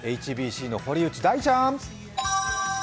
ＨＢＣの堀内大ちゃん。